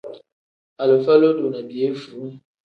Alifa lodo ni piyefuu.